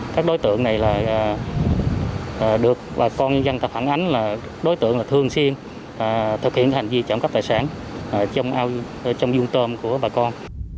các đối tượng này là được bà con dân tập hẳn ánh là đối tượng là thường xuyên thực hiện hành vi trộm cắp tài sản trong dung tâm của bà con